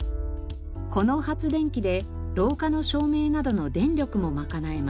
この発電機で廊下の照明などの電力も賄えます。